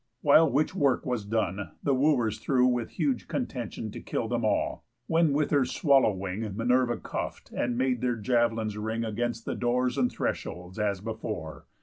While which work was done, The Wooers threw with huge contention To kill them all; when with her swallow wing Minerva cuff'd, and made their jav'lins ring Against the doors and thresholds, as before.